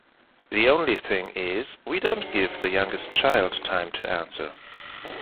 The only thing is, we don't give the youngest child time to answer.